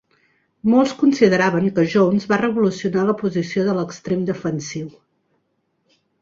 Molts consideraven que Jones va revolucionar la posició de l'extrem defensiu.